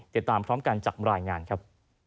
เดี๋ยวตามพร้อมการจับรายงานครับ